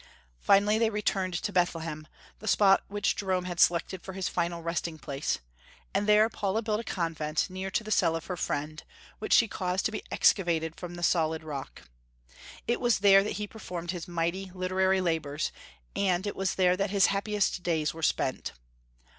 Finally they returned to Bethlehem, the spot which Jerome had selected for his final resting place, and there Paula built a convent near to the cell of her friend, which she caused to be excavated from the solid rock. It was there that he performed his mighty literary labors, and it was there that his happiest days were spent.